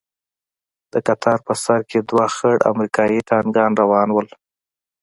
د کتار په سر کښې دوه خړ امريکايي ټانکان روان وو.